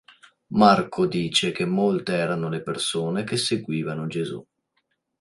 Marco dice che molte erano le persone che seguivano Gesù.